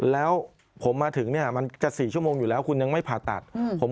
แล้วผมมาถึงเนี่ยมันจะ๔ชั่วโมงอยู่แล้วคุณยังไม่ผ่าตัด